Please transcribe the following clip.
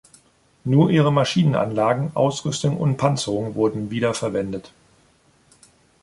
Nur ihre Maschinenanlagen, Ausrüstung und Panzerung wurden wieder verwendet.